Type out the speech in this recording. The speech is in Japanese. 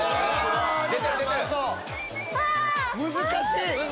難しい！